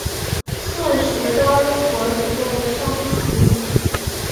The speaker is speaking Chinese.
现时该微博已被删除。